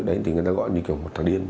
đấy thì người ta gọi như kiểu một thời điên